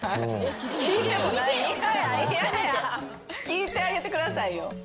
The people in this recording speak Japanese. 聞いてあげてくださいよ。